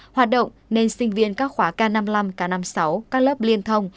hoạt động nên sinh viên các khóa k năm mươi năm k năm mươi sáu các lớp liên thông